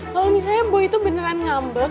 kalau misalnya boy itu beneran ngambek